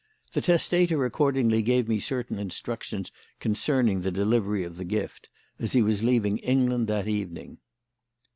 The testator accordingly gave me certain instructions concerning the delivery of the gift, as he was leaving England that evening."